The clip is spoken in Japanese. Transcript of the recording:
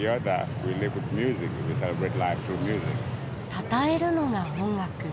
たたえるのが音楽。